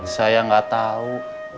saya nggak tahu